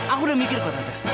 aku udah mikir pak tante